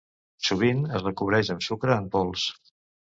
Sovint es recobreix amb sucre en pols.